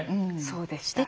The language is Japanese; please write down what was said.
そうでした。